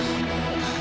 ああ！